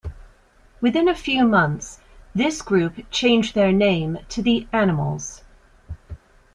Within a few months, this group changed their name to the Animals.